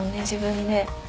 自分で。